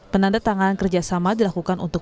penanda tangan kerjasama dilakukan untuk kesehatan